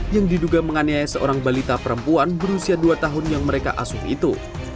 yang diduga menganiaya seorang balita perempuan berusia dua tahun yang mereka asuh itu